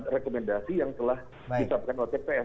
rekomendasi yang telah disampaikan oleh cpm